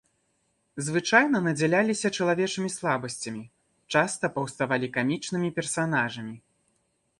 Звычайна надзяляліся чалавечымі слабасцямі, часта паўставалі камічнымі персанажамі.